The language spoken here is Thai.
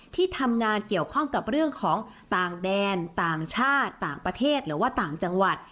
ที่ทำงานเกี่ยวข้องกับเรื่องของต่างแดนต่างชาติต่างประเทศหรือว่าต่างจังหวัด